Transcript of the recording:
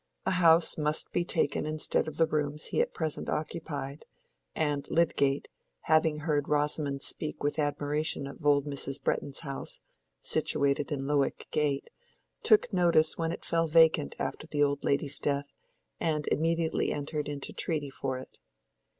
A house must be taken instead of the rooms he at present occupied; and Lydgate, having heard Rosamond speak with admiration of old Mrs. Bretton's house (situated in Lowick Gate), took notice when it fell vacant after the old lady's death, and immediately entered into treaty for it.